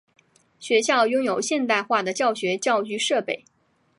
学校拥有现代化的教育教学设备。